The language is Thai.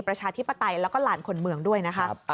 ประชาธิปไตยแล้วก็หลานคนเมืองด้วยนะคะ